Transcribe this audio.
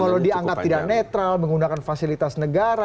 kalau dianggap tidak netral menggunakan fasilitas negara